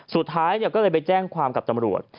สุดท้ายก็เลยไปแจ้งความกับตำรวจ